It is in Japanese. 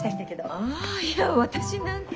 あいや私なんか。